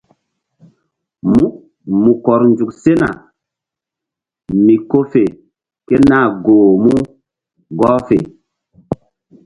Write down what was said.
Mu kɔr sena mi ko fe ke nah goh mu gɔh fe.